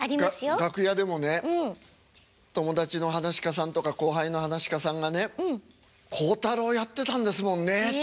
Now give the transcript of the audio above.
楽屋でもね友達の噺家さんとか後輩の噺家さんがね「孝太郎やってたんですもんね」って言われると。